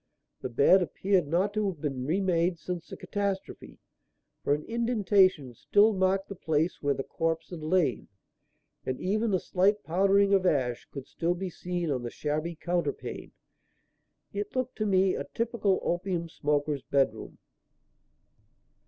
The bed appeared not to have been remade since the catastrophe, for an indentation still marked the place where the corpse had lain, and even a slight powdering of ash could still be seen on the shabby counterpane. It looked to me a typical opium smoker's bedroom.